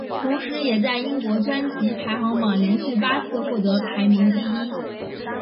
同时也在英国专辑排行榜连续八次获得排名第一。